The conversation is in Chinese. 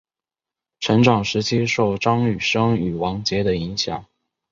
成长时期受张雨生与王杰的影响。